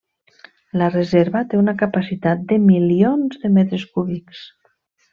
La reserva té una capacitat de milions de metres cúbics.